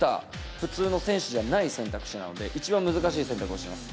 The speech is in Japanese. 普通の選手じゃない選択肢なので、一番難しい選択をしています。